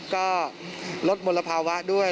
ก็ลดมลภาวะด้วย